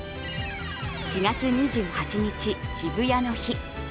４月２８日、シブヤの日。